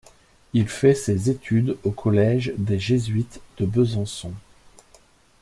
Il fait ses études au collège des jésuites de Besançon.